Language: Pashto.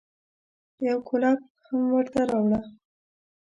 يو کولپ هم ورته راوړه.